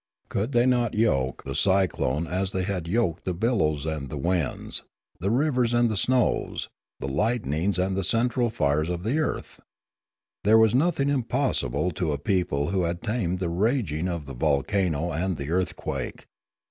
Could they not yoke the cyclone as they had yoked the billows and the winds, the rivers and the snows, the lightnings and the central fires of the earth ? There was nothing impossible to a peo ple who had tamed the raging of the volcano and the earthquake.